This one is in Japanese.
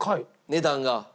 値段が？